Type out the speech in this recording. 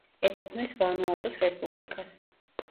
ეკუთვნის ვანუატუს რესპუბლიკას.